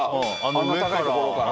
あんな高い所から。